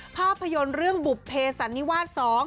ภาพยนตร์เรื่องบุภเพสันนิวาส๒